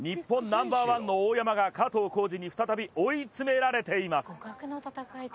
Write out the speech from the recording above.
ナンバーワンの大山が加藤浩次に再び追い詰められています。